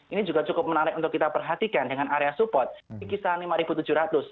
ini juga cukup menarik untuk kita perhatikan dengan area support di kisaran rp lima tujuh ratus